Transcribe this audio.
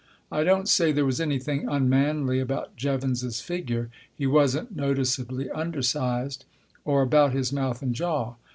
I don't say there was anything unmanly about Jevons's figure (he wasn't noticeably undersized), or about his mouth and jaw.